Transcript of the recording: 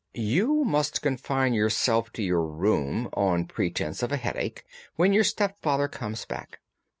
"You must confine yourself to your room, on pretence of a headache, when your stepfather comes back.